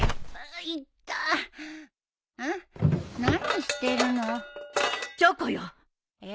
何してるの？